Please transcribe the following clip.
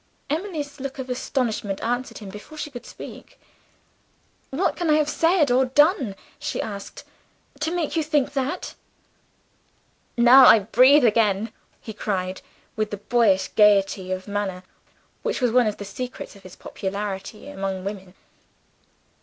Emily's look of astonishment answered for her before she could speak. "What can I have said or done," she asked, "to make you think that?" "Now I breathe again!" he cried, with the boyish gayety of manner which was one of the secrets of his popularity among women.